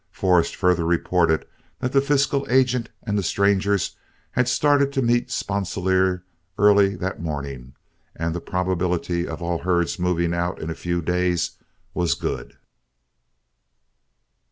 Forrest further reported that the fiscal agent and the strangers had started to meet Sponsilier early that morning, and that the probability of all the herds moving out in a few days was good.